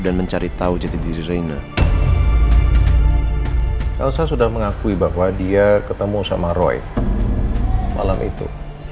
dan mencari tahu jadi dirinya kalau sudah mengakui bahwa dia ketemu sama roy malam itu